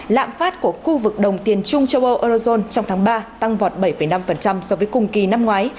lạm phát của khu vực đồng tiền trung châu âu eurozone trong tháng ba tăng vọt bảy năm so với cùng kỳ năm ngoái